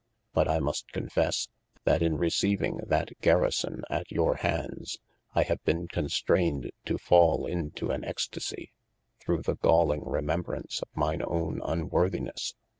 But I must confesse, that in receiving that guerison at your handes, I have bene constrained to fall into an Extasie, through the gauling remembraunce of mine owne unworthinesse.